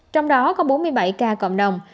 trong đó có bốn mươi bảy ca cộng đồng